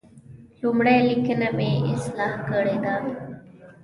لومړۍ لیکنه مې اصلاح کړې ده.